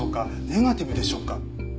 ネガティブでしょうか？